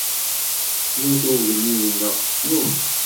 Cnut i ugellid-nneɣ, cnut!